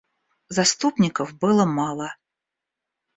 Заступников было мало.